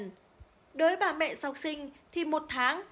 đối với bà mẹ sau sinh thì một tháng